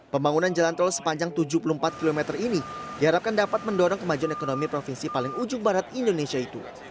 pembangunan jalan tol sepanjang tujuh puluh empat km ini diharapkan dapat mendorong kemajuan ekonomi provinsi paling ujung barat indonesia itu